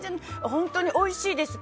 本当においしいです。